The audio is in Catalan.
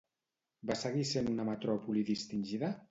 Va seguir sent una metròpoli distingida?